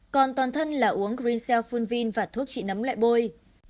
còn toàn thân là uống green cell phunvin và thuốc trị nấm loại bôi